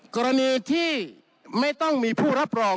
กรณีที่ไม่ต้องมีผู้รับรอง